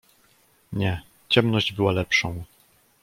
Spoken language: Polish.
"Nie, ciemność była lepszą."